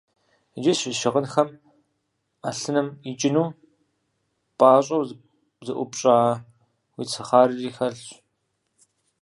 Иджы си щыгъынхэм Ӏэлъыным икӀыну пӀащӀэу зэӀупща уи цыхъарри хэлъщ.